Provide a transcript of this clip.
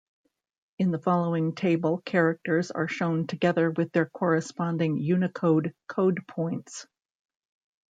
In the following table characters are shown together with their corresponding Unicode code points.